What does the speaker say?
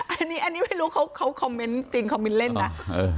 อันนี้อันนี้ไม่รู้เขาเขาคอมเมนต์จริงคอมเมนต์เล่นนะเออ